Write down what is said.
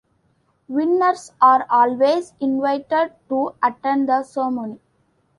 Winners are always invited to attend the ceremony.